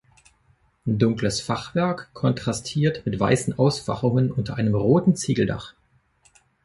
Dunkles Fachwerk kontrastiert mit weißen Ausfachungen unter einem roten Ziegeldach.